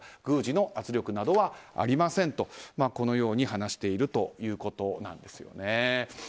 宮司の圧力などはありませんとこのように話しているということなんですね。